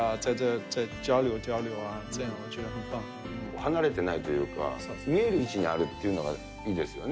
離れてないというか、見える位置にあるっていうのがいいですよね。